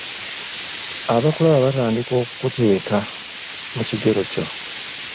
Abakulaba batandika okukuteeka mu kigero kyo.